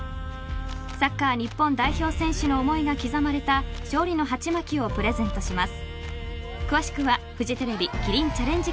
サッカー日本代表選手の思いが刻まれた勝利のハチマキをプレゼントします。